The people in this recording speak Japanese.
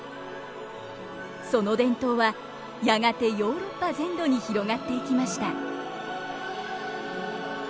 その伝統はやがてヨーロッパ全土に広がっていきました。